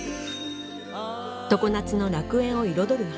常夏の楽園を彩る花